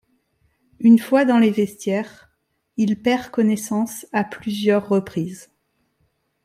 Une fois dans les vestiaires, il perd connaissance à plusieurs reprises.